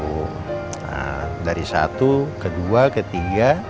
nah dari satu ke dua ke tiga